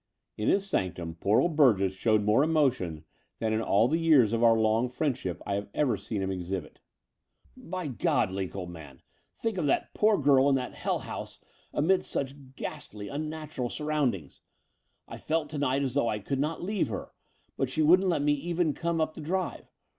In his sanctum poor old Burgess showed more emotion than in all the years of our long friend ship I had ever seen him exhibit. By God, Line, old man, think of that poor girl in that hell house amidst such ghastly, tmnatural surroundings. I felt to night as though I cotdd not leave her; but she wouldn't let me even come up the drive.